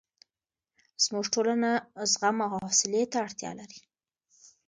زموږ ټولنه زغم او حوصلې ته اړتیا لري.